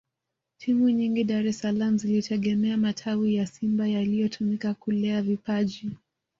Timu nyingi Dar es salaam zilitegemea matawi ya Simba yaliyotumika kulea vipaji